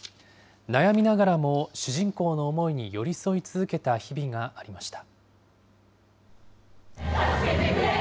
悩みながらも主人公の思いに寄り添い続けた日々がありました。